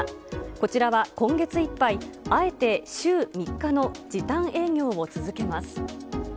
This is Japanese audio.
こちらは今月いっぱい、あえて週３日の時短営業を続けます。